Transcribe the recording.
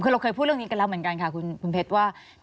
คือเราเคยพูดเรื่องนี้กันแล้วเหมือนกันค่ะคุณเพชรว่า